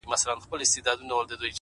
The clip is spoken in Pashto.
هره ستونزه د حل تخم لري؛